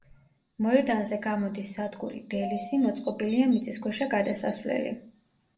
მოედანზე გამოდის სადგური „დელისი“, მოწყობილია მიწისქვეშა გადასასვლელი.